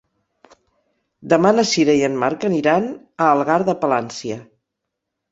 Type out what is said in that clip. Demà na Sira i en Marc aniran a Algar de Palància.